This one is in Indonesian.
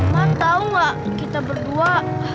mama tau gak kita berdua